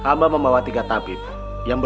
kau mengambil atas skill dalam perangai